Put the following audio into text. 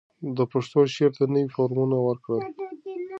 ده پښتو شعر ته نوي فورمونه ورکړل